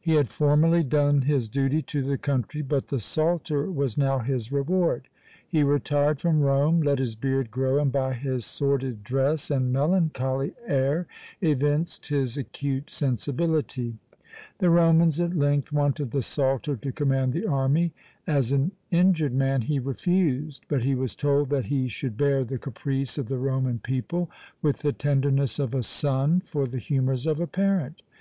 He had formerly done his duty to the country, but the salter was now his reward! He retired from Rome, let his beard grow, and by his sordid dress and melancholy air evinced his acute sensibility. The Romans at length wanted the salter to command the army as an injured man, he refused but he was told that he should bear the caprice of the Roman people with the tenderness of a son for the humours of a parent!